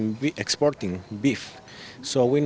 kita juga menguasai daging